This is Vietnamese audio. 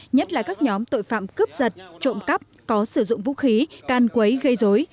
nhất là các nhóm tội phạm cướp giật trộm cắp có sử dụng vũ khí can quấy gây dối